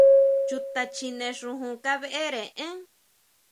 ¿Chuta chjine xujun kabeʼre én?